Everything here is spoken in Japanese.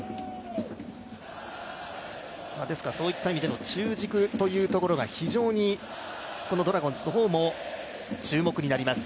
そういった意味での中軸というところでも非常にドラゴンズの方も注目になります。